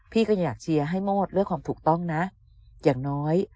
พี่ก็อยากเชียร์ให้โมดเรื่องความถูกต้องนะอย่างน้อย